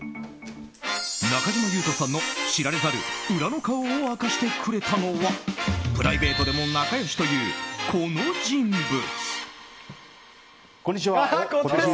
中島裕翔さんの知られざる裏の顔を明かしてくれたのはプライベートでも仲良しというこの人物。